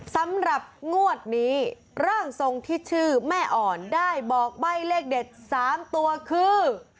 สำหรับงวดนี้ร่างทรงที่ชื่อแม่อ่อนได้บอกใบ้เลขเด็ด๓ตัวคือ